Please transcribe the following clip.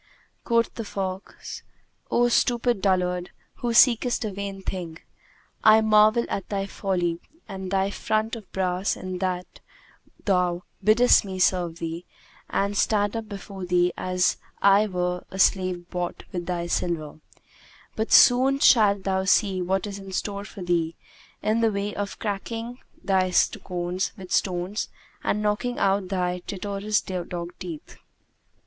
Quoth the fox, "O stupid dullard who seekest a vain thing, I marvel at thy folly and thy front of brass in that thou biddest me serve thee and stand up before thee as I were a slave bought with thy silver; but soon shalt thou see what is in store for thee, in the way of cracking thy sconce with stones and knocking out thy traitorous dog teeth."